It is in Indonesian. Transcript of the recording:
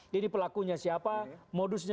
jadi pelakunya siapa modusnya